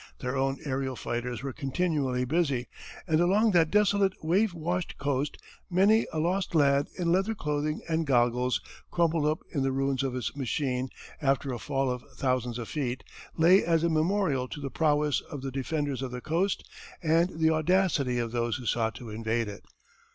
Their own aërial fighters were continually busy, and along that desolate wave washed coast many a lost lad in leather clothing and goggles, crumpled up in the ruins of his machine after a fall of thousands of feet, lay as a memorial to the prowess of the defenders of the coast and the audacity of those who sought to invade it.